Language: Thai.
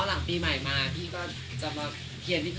หลังปีใหม่มาพี่ก็จะมาเขียนนิดนึง